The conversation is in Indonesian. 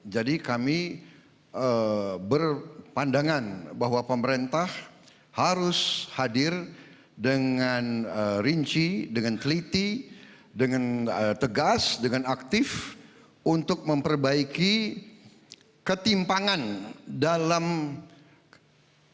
jadi kami berpandangan bahwa pemerintah harus hadir dengan rinci dengan teliti dengan tegas dengan aktif untuk memperbaiki ketimpangan dalam kekalahan